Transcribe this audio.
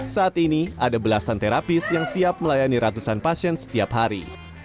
saat ini ada belasan terapis yang siap melayani ratusan pasien setiap hari